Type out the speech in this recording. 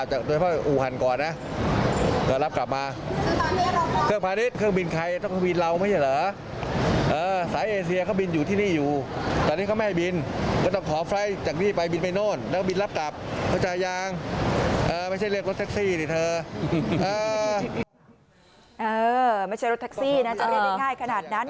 ไม่ใช่รถแท็กซี่นะจะเรียกได้ง่ายขนาดนั้น